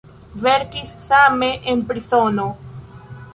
Verkis same en prizono.